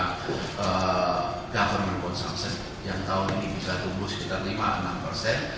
pengembangan pemerintah yang tahun ini bisa tumbuh sekitar lima enam persen